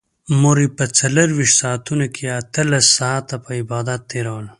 مور يې په څلرويشت ساعتونو کې اتلس ساعته په عبادت تېرول.